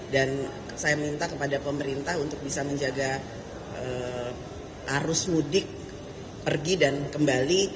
dan saya minta kepada pemerintah untuk bisa menjaga arus mudik pergi dan kembali